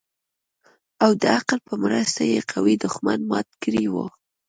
او د عقل په مرسته يې قوي دښمن مات کړى و.